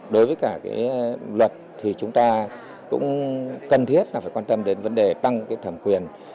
đối với cả luật thì chúng ta cũng cần thiết là phải quan tâm đến vấn đề tăng cái thẩm quyền